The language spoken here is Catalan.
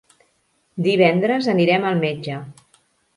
Divendres anirem al metge.